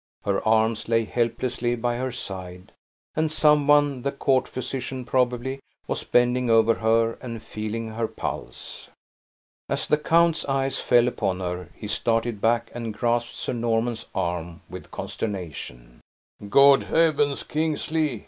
Her arms lay helplessly by her side, and someone, the court physician probably, was bending over her and feeling her pulse. As the count's eyes fell upon her, he started back, and grasped Sir Norman's arm with consternation. "Good heavens, Kingsley!"